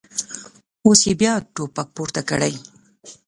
اوس یې بیا ټوپک پورته کړی.